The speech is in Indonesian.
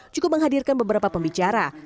cukup menghadirkan beberapa pembicara